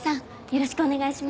よろしくお願いします。